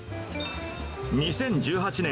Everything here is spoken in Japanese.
２０１８年